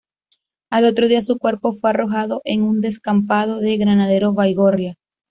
Al otro día su cuerpo fue arrojado en un descampado de Granadero Baigorria.